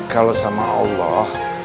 kalau sama allah